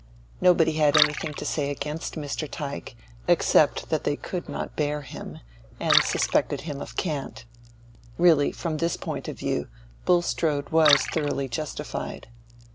Nobody had anything to say against Mr. Tyke, except that they could not bear him, and suspected him of cant. Really, from his point of view, Bulstrode was thoroughly justified.